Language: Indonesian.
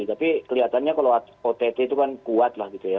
tapi kelihatannya kalau ott itu kan kuat lah gitu ya